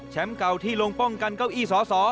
เก่าที่ลงป้องกันเก้าอี้สส